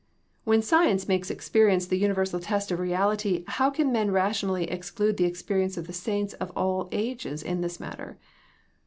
When science makes experience the universal test of reality how can men rationally exclude the experience of the saints of all ages in this matter